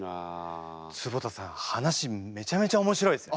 坪田さん話めちゃめちゃ面白いですね。